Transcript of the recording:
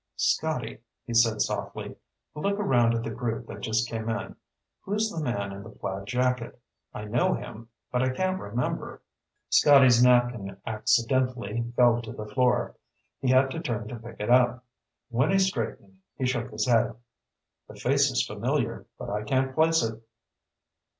"Scotty," he said softly, "look around at the group that just came in. Who's the man in the plaid jacket? I know him, but I can't remember." Scotty's napkin "accidentally" fell to the floor. He had to turn to pick it up. When he straightened, he shook his head. "The face is familiar, but I can't place it."